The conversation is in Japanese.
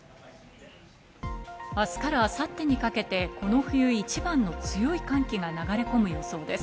明日から明後日にかけてこの冬一番の強い寒気が流れ込む予想です。